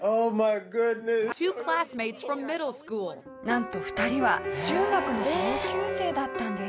なんと２人は中学の同級生だったんです。